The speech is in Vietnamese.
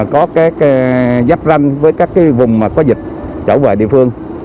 có các giáp răng với các cái vùng mà có dịch trở về địa phương